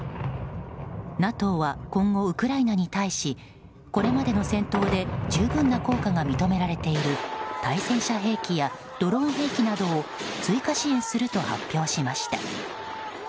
ＮＡＴＯは今後、ウクライナに対しこれまでの戦闘で十分な効果が認められている対戦車兵器やドローン兵器などを追加支援すると発表しました。